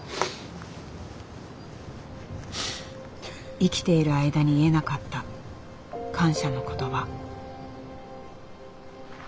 生きている間に言えなかった感謝の言葉。